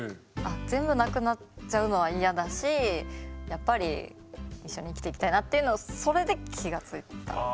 全部なくなっちゃうのは嫌だしやっぱり一緒に生きていきたいなっていうのをそれで気が付いたっていう。